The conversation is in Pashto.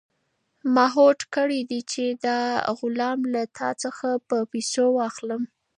ما هوډ کړی دی چې دا غلام له تا څخه په پیسو واخلم.